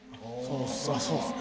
そうですね。